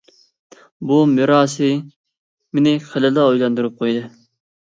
بۇ مىسراسى مېنى خېلىلا ئويلاندۇرۇپ قويدى.